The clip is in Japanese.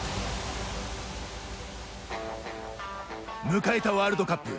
迎えたワールドカップ